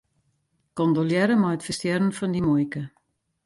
Kondolearre mei it ferstjerren fan dyn muoike.